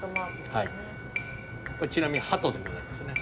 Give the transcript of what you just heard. ちなみにハトでございますね。